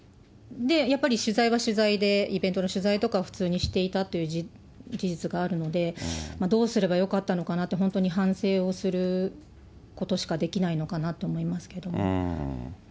やっぱり取材は取材で、イベントの取材とか普通にしていたという事実があるので、どうすればよかったのかって、本当に反省をすることしかできないのかなと思いますけども。